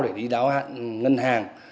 để đi đáo hạn ngân hàng